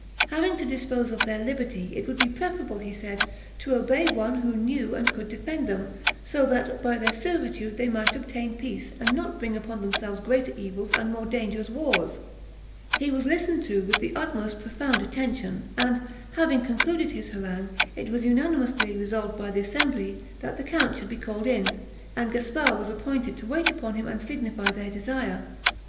Having to dispose of their liberty, it would be preferable, he said, to obey one who knew and could defend them; so that, by their servitude they might obtain peace, and not bring upon themselves greater evils and more dangerous wars. He was listened to with the most profound attention; and, having concluded his harangue, it was unanimously resolved by the assembly, that the count should be called in, and Gasparre was appointed to wait upon him and signify their desire.